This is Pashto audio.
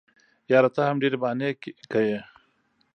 یاره ته هم ډېري بهانې کیې.